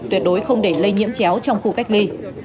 tuyệt đối không để lây nhiễm chéo trong khu cách ly